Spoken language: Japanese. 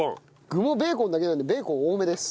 具もベーコンだけなんでベーコン多めです。